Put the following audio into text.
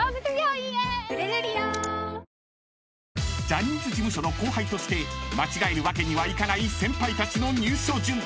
［ジャニーズ事務所の後輩として間違えるわけにはいかない先輩たちの入所順］